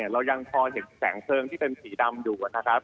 เรายังพอเห็นแสงเพลิงที่เป็นสีดำอยู่นะครับ